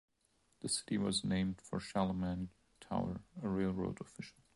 The city was named for Charlemagne Tower, a railroad official.